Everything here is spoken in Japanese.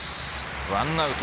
ワンアウト。